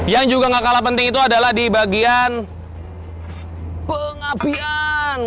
yang juga tidak kalah penting itu adalah di bagian pengapian